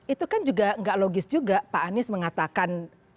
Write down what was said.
itu kan juga nggak logis juga pak anies mengatakan